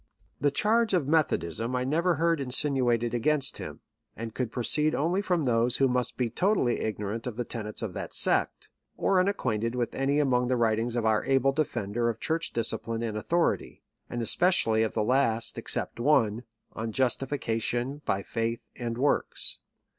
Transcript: The charge of Methodism I never heard insinu ated against him, and could proceed only from those who must be totally ignorant of the tenets of that sect, or unacquainted with any among the writings of our able defender of church discipline and autliority, and especially of the last except one, " On Justification by Faith and Works."